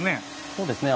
そうですね。